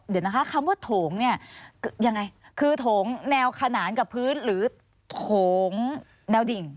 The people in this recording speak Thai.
เดี๋ยวนะคะคำว่าโถงเนี่ยยังไงคือโถงแนวขนานกับพื้นหรือโถงแนวดิ่ง